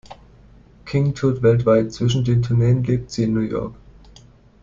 King tourt weltweit, zwischen den Tourneen lebt sie in New York.